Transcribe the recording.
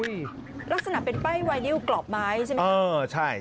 นี่ลักษณะเป็นป้ายไวริวกรอบไม้ใช่ไหม